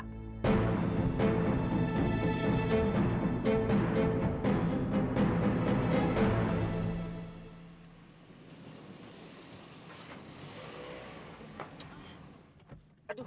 iya kenapa nggak suka